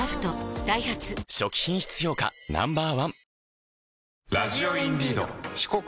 ダイハツ初期品質評価Ｎｏ．１